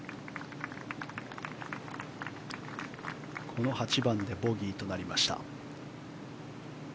この８番でボギーとなりました。